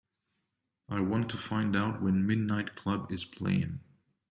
I want to find out when Midnight Club is playing